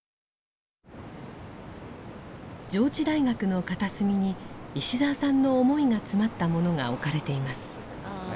上智大学の片隅に石澤さんの思いが詰まったものが置かれています。